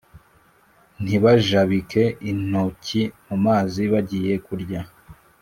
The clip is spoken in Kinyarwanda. ntibajabike intoki mu mazi bagiye kurya?”